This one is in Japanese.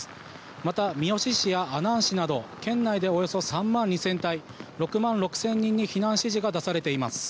また、三好市などで県内でおよそ３万２０００世帯６万６０００人に避難指示が出されています。